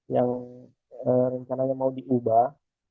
yang rencananya mau diubah